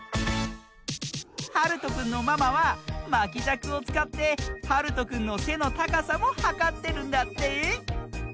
はるとくんのママはまきじゃくをつかってはるとくんのせのたかさもはかってるんだって。